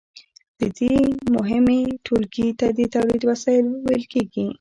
دې مهمې ټولګې ته د تولید وسایل ویل کیږي.